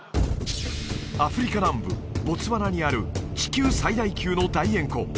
アフリカ南部ボツワナにある地球最大級の大塩湖